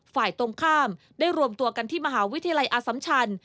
ฝ่ายตรงข้ามได้รวมตัวกันที่มหาวิทยาลัยอสัมชัน